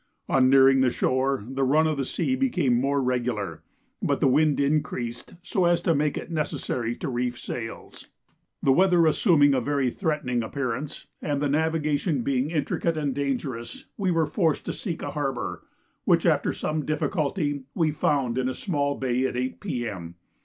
On nearing the shore the run of the sea became more regular; but the wind increased so as to make it necessary to reef sails. The weather assuming a very threatening appearance, and the navigation being intricate and dangerous, we were forced to seek a harbour, which, after some difficulty, we found in a small bay at 8 P.M.